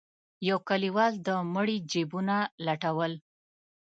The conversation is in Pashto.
يو کليوال د مړي جيبونه لټول.